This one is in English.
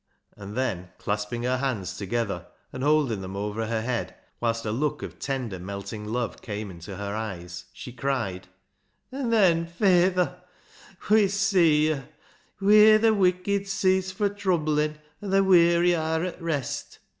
And then clasping her hands together, and holding them over her head, whilst a look of tender melting love came into her eyes, she cried —" An' then, fayther, we'est see yo' —' wheer the wicked cease fro' troublin', an' the weary are at rest.'